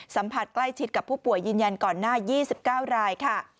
สัมผัสใกล้ชิดกับผู้ป่วยยืนยันก่อนหน้า๒๙รายค่ะ